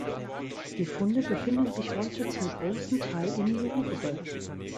Die Funde befinden sich heute zum großen Teil im Louvre.